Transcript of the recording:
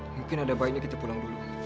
mungkin ada bayinya kita pulang dulu